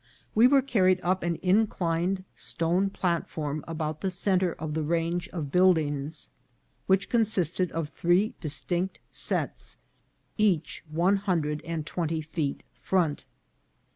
We were carried up an inclined stone platform about the centre of the range of buildings, which consisted of three dis tinct sets, each one hundred and twenty feet front.